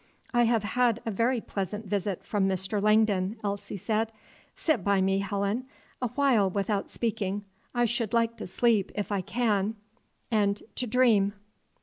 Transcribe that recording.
"I have had a very pleasant visit from Mr. Langdon," Elsie said. "Sit by me, Helen, awhile without speaking; I should like to sleep, if I can, and to dream."